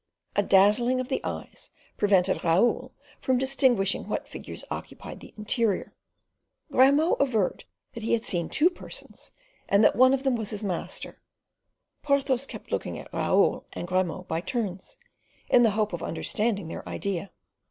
A dazzling of the eyes prevented Raoul from distinguishing what figures occupied the interior. Grimaud averred that he had seen two persons, and that one of them was his master. Porthos kept looking at Raoul and Grimaud by turns, in the hope of understanding their idea.